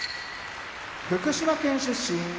福島県出身